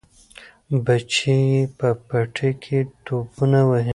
بچي یې په پټي کې ټوپونه وهي.